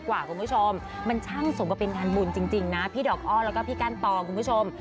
คุณผู้ชมมันช่างสมกับเป็นงานบุญจริงนะพี่ดอกอ้อแล้วก็พี่กั้นตองคุณผู้ชม